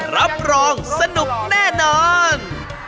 รับรองสนุกแน่นอน